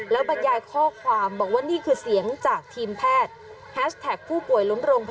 แล้วบัญญาณข้อความบอกว่านี่คือเสียงจากทีมแพทย์